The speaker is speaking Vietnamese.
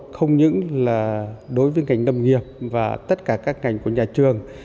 không những là đối với ngành nông nghiệp và tất cả các ngành của nhà trường